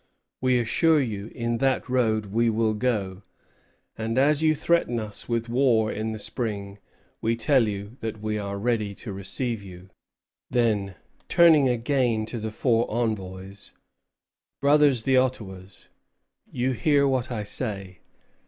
We assure you, in that road we will go; and as you threaten us with war in the spring, we tell you that we are ready to receive you." Then, turning again to the four envoys: "Brothers the Ottawas, you hear what I say.